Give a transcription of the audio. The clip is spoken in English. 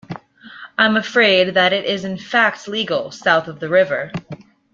I'm afraid that is in fact legal south of the river.